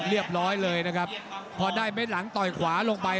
เรียบร้อยเลยนะครับพอได้เม็ดหลังต่อยขวาลงไป